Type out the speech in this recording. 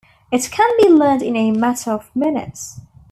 It can be learned in a matter of minutes.